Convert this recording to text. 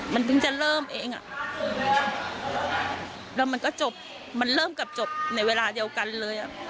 มันเพิ่งจะเริ่มเองอ่ะแล้วมันก็จบมันเริ่มกลับจบในเวลาเดียวกันเลยอ่ะ